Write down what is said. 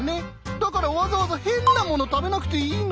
だからわざわざヘンなもの食べなくていいの。